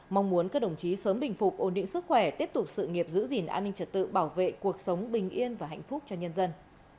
mong muốn các đồng chí sớm bình phục ổn định sức khỏe tiếp tục sự nghiệp giữ gìn an ninh trật tự bảo vệ cuộc sống bình yên và hạnh phúc cho nhân dân